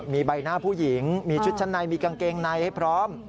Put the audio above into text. มีใบหน้าผู้หญิงมีชุดชั้นในมีกางเกงในให้พร้อม